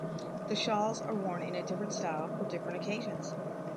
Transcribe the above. The shawls are worn in a different style for different occasions.